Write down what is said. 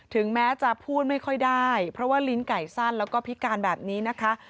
ถึงแม้จะพูดไม่ค่อยได้เพราะว่าลิ้นไก่สั้นแล้วก็พิการแบบนี้นะคะ